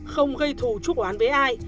không gây thù trúc oán với ai